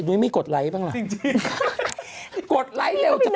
นุ้ยมีกดไลค์บ้างหรือจริง